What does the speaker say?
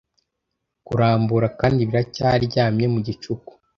Kurambura kandi biracyaryamye mu gicuku,